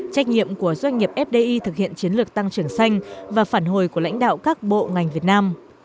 trách nhiệm của doanh nghiệp fdi thực hiện chiến lược tăng trưởng xanh và phản hồi của lãnh đạo các bộ ngành việt nam